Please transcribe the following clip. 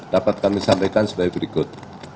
dapat kami sampaikan sebagai berikut